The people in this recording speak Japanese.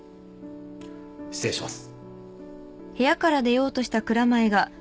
失礼します。